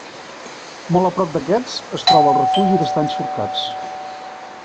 Molt a prop d'aquests es troba el Refugi d'Estanys Forcats.